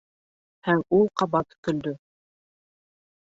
Һәм ул ҡабат көлдө.